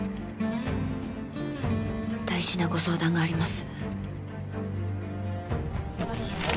大事なご相談があります